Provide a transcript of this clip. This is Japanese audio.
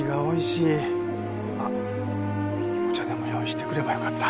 あっお茶でも用意してくればよかった。